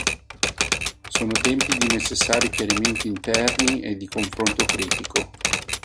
Sono tempi di necessari chiarimenti interni e di confronto critico.